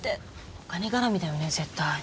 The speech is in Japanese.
お金絡みだよね絶対。